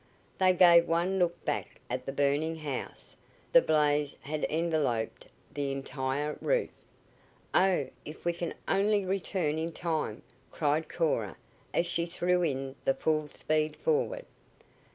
They gave one look back at the burning house. The blaze had enveloped the entire roof. "Oh, if we can only return in time!" cried Cora as she threw in the full speed forward.